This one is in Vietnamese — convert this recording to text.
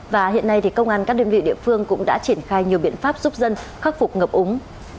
và hiện nay thì công an các đơn vị địa phương cũng đã triển khai nhiều biện pháp giúp dân khắc phục ngập úng